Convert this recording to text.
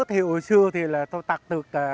thì hồi xưa thì là tôi tạc tượng